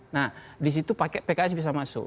nah disitu pks bisa masuk